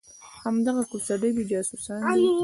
همدغه کوڅې ډبي جاسوسان دي.